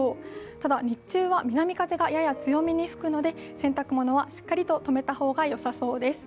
ただ、日中は南風がやや強めに吹くので洗濯物はしっかりととめた方がよさそうです。